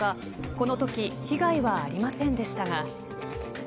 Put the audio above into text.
このとき、被害はありませんでしたが。